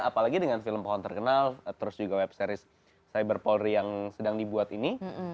apalagi dengan film pohon terkenal terus juga webseries cyberpolri yang sedang dibuat ini